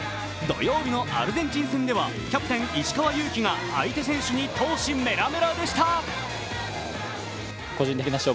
土曜日のアルゼンチン戦ではキャプテン・石川祐希が相手選手に闘志メラメラでした。